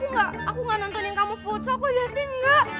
enggak aku gak nontonin kamu futsal kok justin enggak